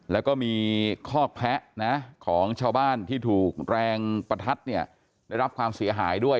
แล้วก็มีคอกแพะนะของชาวบ้านที่ถูกแรงประทัดเนี่ยได้รับความเสียหายด้วย